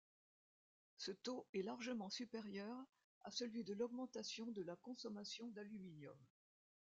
Ce taux est largement supérieur à celui de l'augmentation de la consommation d'aluminium.